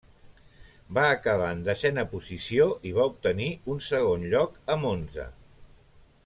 Va acabar en desena posició i va obtenir un segon lloc a Monza.